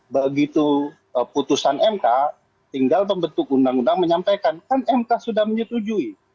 begitu putusan mk tinggal pembentuk undang undang menyampaikan kan mk sudah menyetujui